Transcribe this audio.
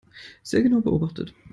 Sehr genau beobachtet.